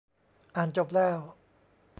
อ่านจบแล้ว !